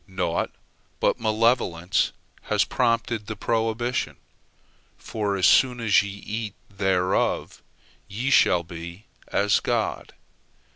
Naught but malevolence has prompted the prohibition, for as soon as ye eat thereof, ye shall be as God.